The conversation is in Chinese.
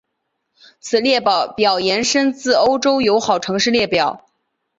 此列表延伸自欧洲友好城市列表。